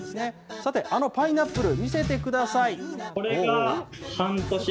さて、あのパイナップル、見せてください。